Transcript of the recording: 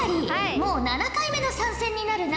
もう７回目の参戦になるな？